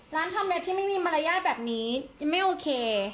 ทำเล็บที่ไม่มีมารยาทแบบนี้ไม่โอเค